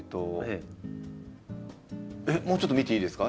えっもうちょっと見ていいですか？